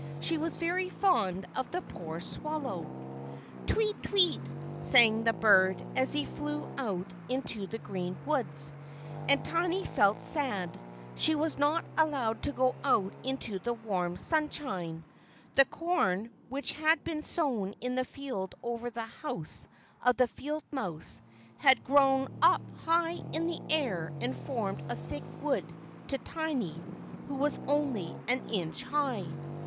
She was very fond of the poor swallow. "Tweet! Tweet!" sang the bird, as he flew out into the green woods, and Tiny felt sad. She was not allowed to go out into the warm sunshine. The corn which had been sown in the field over the house of the field mouse had grown up high into the air, and formed a thick wood to Tiny, who was only an inch high.